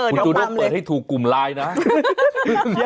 คุณจูด้งเปิดให้ถูกกลุ่มไลน์นะ